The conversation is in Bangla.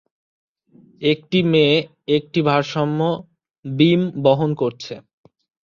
একটি মেয়ে একটি ভারসাম্য বিম বহন করছে।